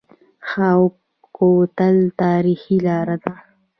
خاوک کوتل تاریخي لاره ده؟